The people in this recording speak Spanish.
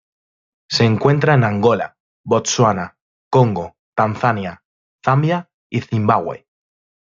Se encuentra en Angola, Botsuana, Congo, Tanzania, Zambia y Zimbabue.